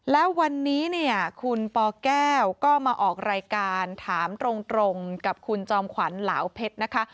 แล้ววันนี้เนี่ยคุณปแก้วก็มาออกรายการถามตรงกับคุณจอมขวัญเหลาเพชรนะคะ